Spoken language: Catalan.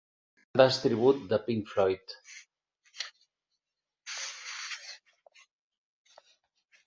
Bandes tribut de Pink Floyd.